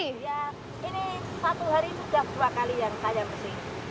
iya ini satu hari sudah dua kali yang saya bersih